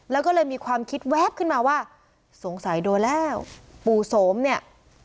แล้วก็เลยมีความคิดแว๊บขึ้นมาว่าสงสัยโดนแล้วปู่โสมเนี่ย